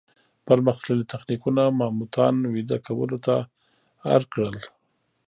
پرمختللي تخنیکونه ماموتان ویده کولو ته اړ کړل.